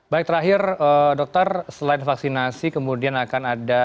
baik terakhir dokter selain vaksinasi kemudian akan ada